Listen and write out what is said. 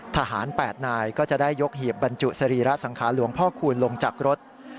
ทหาร๘นายก็จะได้ยกหีบบรรจุสรีระสังขารหลวงพ่อคูณลงจากรถ